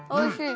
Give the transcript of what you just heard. おいしい。